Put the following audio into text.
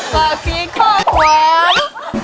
ปากคลิกข้อความ